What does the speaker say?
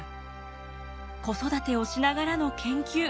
子育てをしながらの研究。